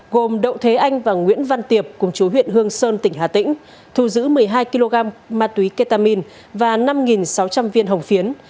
gồm đậu thế anh và nguyễn văn tiệp cùng chú huyện hương sơn tỉnh hà tĩnh thu giữ một mươi hai kg ma túy ketamine và năm sáu trăm linh viên hồng phiến